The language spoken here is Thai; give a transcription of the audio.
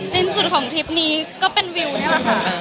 ในที่สุดของทริปนี้ก็เป็นวิวนี่แหละค่ะ